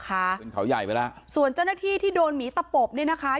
ขึ้นเขาใหญ่ไปแล้วส่วนเจ้าหน้าที่ที่โดนหมีตะปบเนี่ยนะคะ